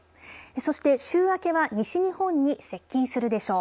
そして週明けは西日本に接近するでしょう。